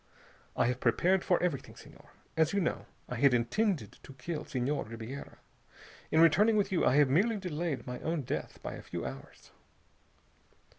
I have prepared for everything, Senhor. As you know, I had intended to kill Senhor Ribiera. In returning with you I have merely delayed my own death by a few hours."